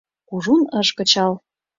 Кужун ыш кычал.